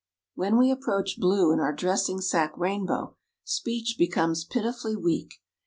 When we approach blue in our dressing sack rainbow, speech becomes pitifully weak.